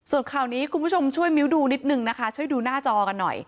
ส่วนข่าวนี้คุณผู้ชมช่วยมิ้วดูนิดนึงนะคะช่วยดูหน้าจอกันหน่อย